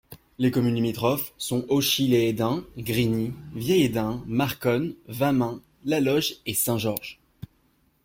Les communes limitrophes sont Auchy-lès-Hesdin, Grigny, Vieil-Hesdin, Marconne, Wamin, La Loge et Saint-Georges.